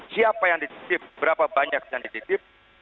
siapa yang dititip berapa banyak yang dititip